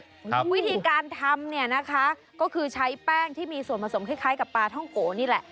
วิธีการทำเนี่ยนะคะก็คือใช้แป้งที่มีส่วนผสมคล้ายคล้ายกับปลาท่องโกนี่แหละ